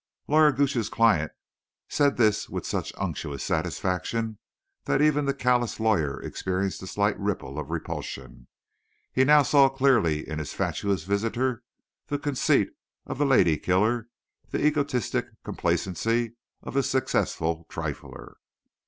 Lawyer Gooch's client said this with such unctuous satisfaction that even the callous lawyer experienced a slight ripple of repulsion. He now saw clearly in his fatuous visitor the conceit of the lady killer, the egoistic complacency of the successful trifler.